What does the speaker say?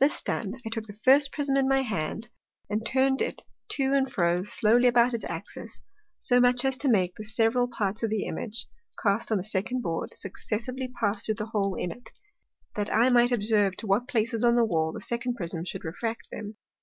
This done, I took the first Prism in my Hand, and turn'd it to and fro slowly about its Axis, so much as to make the several parts of the Image, cast on the second Board, successively pass through the hole in it, that I might observe to what places on the Wall the second Prism would refract them.